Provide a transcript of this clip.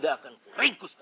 jangan jangan menggoda saya